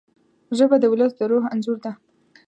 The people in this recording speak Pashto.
ژبه د ولس د روح انځور ده